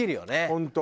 本当。